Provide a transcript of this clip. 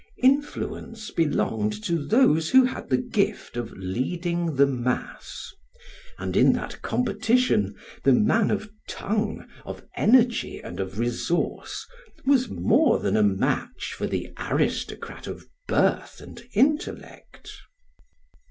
Influence belonged to those who had the gift of leading the mass; and in that competition the man of tongue, of energy, and of resource, was more than a match for the aristocrat of birth and intellect.